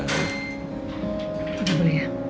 tidak boleh ya